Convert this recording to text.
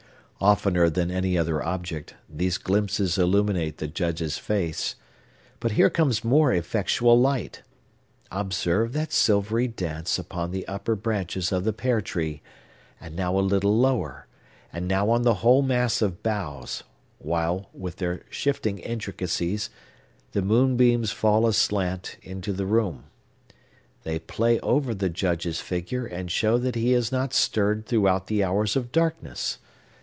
Oftener than any other object, these glimpses illuminate the Judge's face. But here comes more effectual light. Observe that silvery dance upon the upper branches of the pear tree, and now a little lower, and now on the whole mass of boughs, while, through their shifting intricacies, the moonbeams fall aslant into the room. They play over the Judge's figure and show that he has not stirred throughout the hours of darkness.